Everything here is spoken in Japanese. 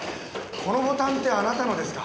このボタンってあなたのですか？